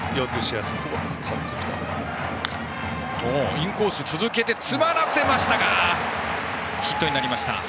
インコース、続けて詰まらせましたがヒットになりました。